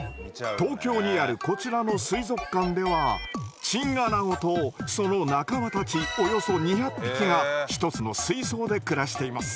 東京にあるこちらの水族館ではチンアナゴとその仲間たちおよそ２００匹が１つの水槽で暮らしています。